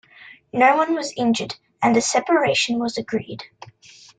No one was injured and a separation was agreed.